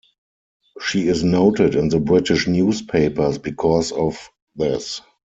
She is noted in the British newspapers because of this.